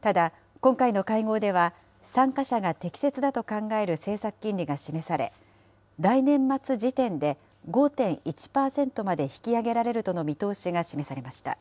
ただ、今回の会合では、参加者が適切だと考える政策金利が示され、来年末時点で５．１％まで引き上げられるとの見通しが示されました。